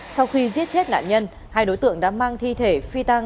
sau khi giết chết nạn nhân hai đối tượng đã mang thi thể phi tăng